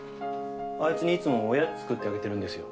あいつにいつもおやつ作ってあげてるんですよ。